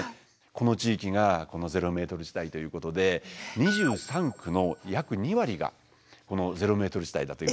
この地域がゼロメートル地帯ということで２３区の約２割がこのゼロメートル地帯だと。